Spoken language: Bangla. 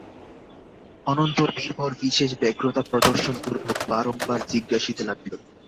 অনন্তর বীরবর বিশেষ ব্যগ্রতা প্রদর্শনপূর্বক বারংবার জিজ্ঞাসিতে লাগিল।